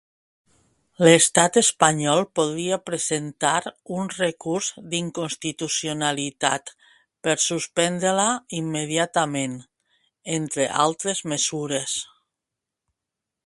L'Estat espanyol podria presentar un recurs d'inconstitucionalitat per suspendre-la immediatament, entre altres mesures.